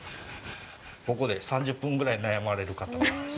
ここで３０分ぐらい悩まれる方もいらっしゃいます。